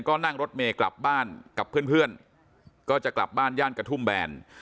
ก็นั่งรถเมย์กลับบ้านกับเพื่อนก็จะกลับบ้านย่านกระทุ่มแบน